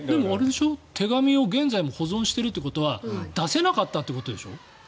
手紙を現在も保存しているってことは出せなかったってことでしょ。